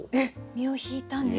身を引いたんですね。